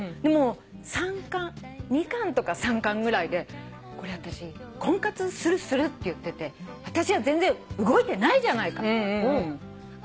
３巻２巻とか３巻ぐらいであたし婚活するするって言ってて全然動いてないじゃないか。